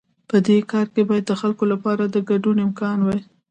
په دې کار کې باید د خلکو لپاره د ګډون امکان وي.